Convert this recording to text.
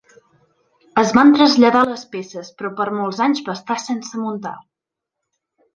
Es van traslladar les peces però per molts anys va estar sense muntar.